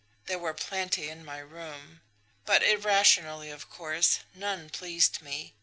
There were plenty in my room; but, irrationally, of course, none pleased me.